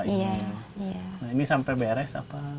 ini sampai beres